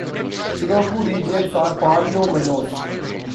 Sudoku regions are polyominoes.